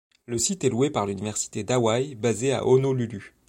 Le site est loué par l'université d'Hawaï basée à Honolulu.